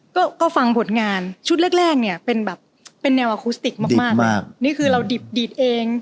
ก็ก็ฟังผลงานชุดแรกแรกเนี่ยเป็นแบบเป็นแนวอคุสติกมากมากนี่คือเราดิบดีดเอง